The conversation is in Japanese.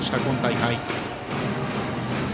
今大会。